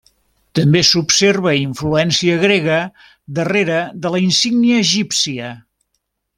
També s'observa influència grega darrere de la insígnia egípcia.